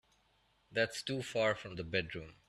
That's too far from the bedroom.